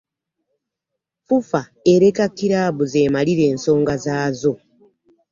FUFA ereka kilaabu zemalire ensonga zaazo.